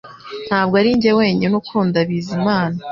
Ntabwo arinjye wenyine ukunda Bizimana